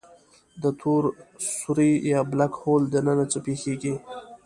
د تور سوری Black Hole دننه څه پېښېږي؟